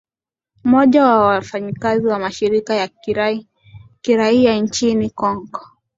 moja wa wafanyakazi wa mashirika ya kiraia nchini kongo